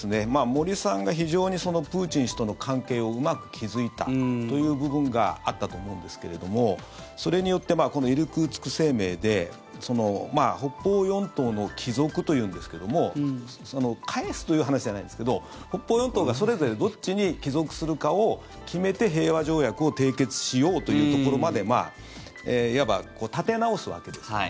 森さんが非常にプーチン氏との関係をうまく築いたという部分があったと思うんですけどそれによってイルクーツク声明で北方四島の帰属というんですが返すという話じゃないんですが北方四島がそれぞれどっちに帰属するかを決めて平和条約を締結しようというところまでいわば立て直すわけですね。